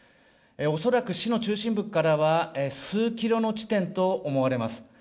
恐らく、市の中心部から数キロの地点と思われます。